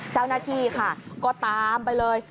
เจ้าหน้าที่ค่ะก็ตามไปเลย